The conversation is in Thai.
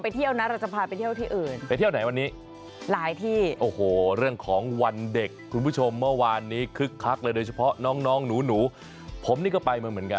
แต่ว่าเราจะไม่ตามคุณน้องใบตองไปเที่ยวนะ